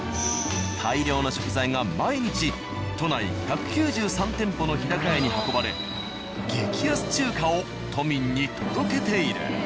大量の食材が毎日都内１９３店舗の「日高屋」に運ばれ激安中華を都民に届けている。